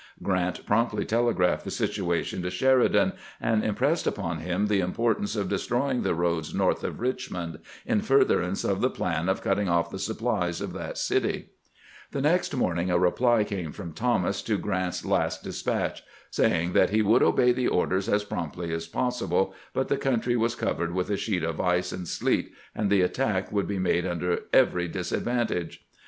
Grant promptly telegraphed the situation to Sheridan, and im pressed upon him the importance of destroying the GKANT OEDEBS THOMAS TO MOVE AGAINST HOOD 347 roads nortli of Eiclimond, in furtherance of the plan of cutting off the supplies of that city. The next morning a reply came from Thomas to Grant's last despatch, saying that he would obey the orders as promptly as possible, but the country was covered with a sheet of ice and sleet, and the attack would be made under every disadvantage.